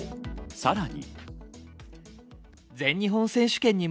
さらに。